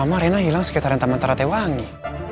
cuma arena hilang sekitaran taman taratewangi